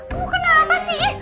ibu kenapa sih